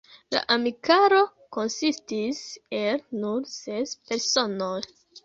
La amikaro konsistis el nur ses personoj.